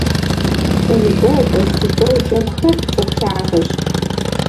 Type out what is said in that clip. Волейбол, баскетбол джэгухэр цӏыху лъагэщ.